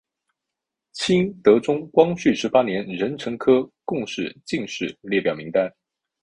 清德宗光绪十八年壬辰科贡士进士列表名单。